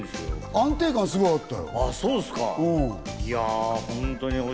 安定感すごいあった。